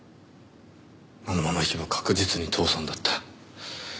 あのままいけば確実に倒産だった。